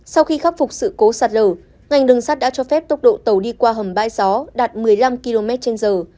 sau khi khắc phục sự cố sạt lở ngành đường sắt đã cho phép tốc độ tàu đi qua hầm bãi gió đạt một mươi năm km trên giờ